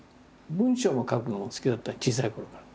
文章を書くのも好きだった小さいころから。